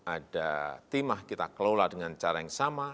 ada timah kita kelola dengan cara yang sama